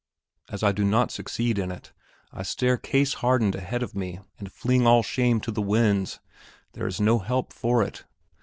As I do not succeed in it, I stare case hardened ahead of me and fling all shame to the winds. There is no help for it.